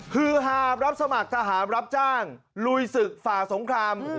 คือหามรับสมัครทหารรับจ้างลุยศึกฝ่าสงคราม